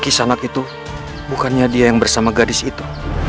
kisanat itu bukannya dia yang bersama gadis itu